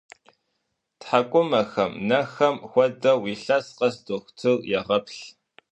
ТхьэкӀумэхэм, нэхэм хуэдэу, илъэс къэс дохутыр егъэплъ.